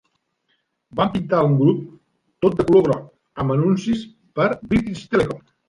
Van pintar un grup tot de color groc amb anuncis per British Telecom.